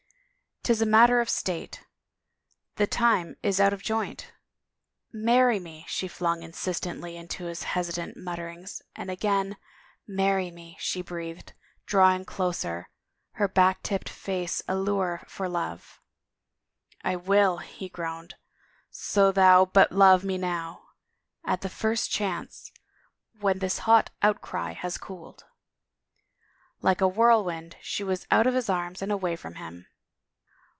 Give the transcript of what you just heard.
" 'Tis a matter of state — the time is out of joint —"" Marry me !" she flung insistently into his hesitant mutterings, and again, " Marry me," she breathed, draw ing closer, her back tipped face a lure for love. " I will," he groaned, " so thou but love me now. At the first chance ... when this hot outcry has cooled." Like a whirlwind she was out of his arms and away from him.